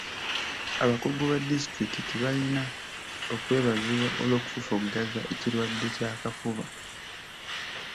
Abakungu ba disitulikiti bayina okwebazibwa olw'okufufugaza ekirwadde ky'akafuba.